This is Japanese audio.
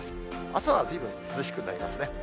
朝はずいぶん涼しくなりますね。